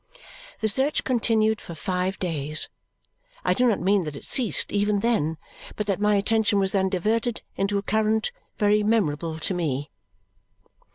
The search continued for five days. I do not mean that it ceased even then, but that my attention was then diverted into a current very memorable to me.